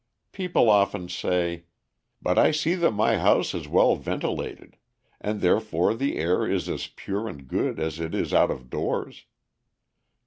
People often say: But I see that my house is well ventilated, and therefore the air is as pure and good as it is out of doors.